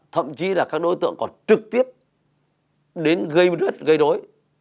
thậm chí là các đối tượng còn trực tiếp đến gây bướt gây đối